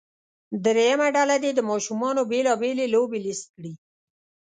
دریمه ډله دې د ماشومانو بیلا بېلې لوبې لیست کړي.